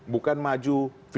bukan maju lima puluh lima puluh